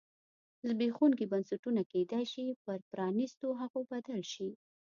زبېښونکي بنسټونه کېدای شي پر پرانیستو هغو بدل شي.